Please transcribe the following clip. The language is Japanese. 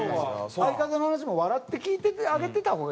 相方の話も笑って聞いてあげてた方がいいよ。